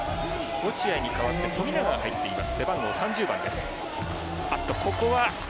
落合に代わって富永が入っています。